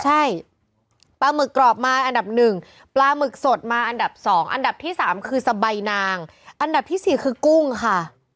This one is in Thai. ใช่ปลาหมึกกรอบมาอันดับหนึ่งปลาหมึกสดมาอันดับ๒อันดับที่๓คือสบายนางอันดับที่๔คือกุ้งค่ะ